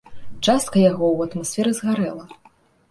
Частка яго ў атмасферы згарэла.